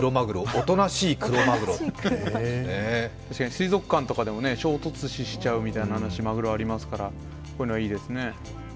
水族館とかでも衝突死してしまうという話、マグロはありますからこういうのは、いいですね。